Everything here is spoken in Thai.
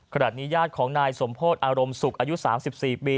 ขณะนี้ญาติของนายสมโพธิอารมณ์สุขอายุ๓๔ปี